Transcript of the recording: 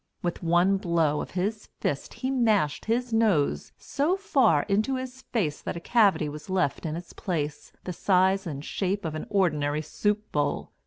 With one blow of his fist he mashed his nose so far into his face that a cavity was left in its place the size and shape of an ordinary soup bowl.